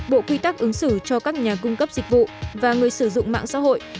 bộ quy tắc ứng xử cho các nhà cung cấp dịch vụ và người sử dụng mạng xã hội